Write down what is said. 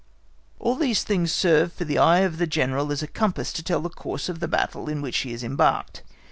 All these things serve for the eye of the General as a compass to tell the course of the battle in which he is embarked.